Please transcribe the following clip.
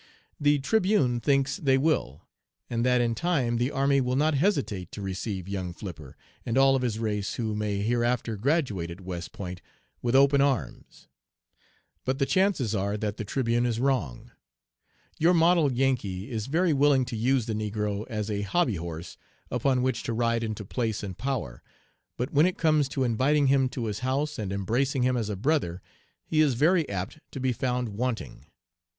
The Tribune thinks they will, and that in time the army will not hesitate to receive young Flipper, and all of his race who may hereafter graduate at West Point, with open arms; but the chances are that the Tribune is wrong. Your model Yankee is very willing to use the negro as a hobby horse upon which to ride into place and power, but when it comes to inviting him to his house and embracing him as a brother he is very apt to be found wanting.